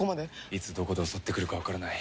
いつどこで襲ってくるかわからない。